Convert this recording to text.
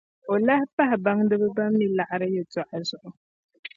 O lahi pahila baŋdiba ban mi liɣiri yɛltɔɣa zuɣu.